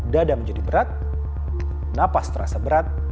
dada menjadi berat napas terasa berat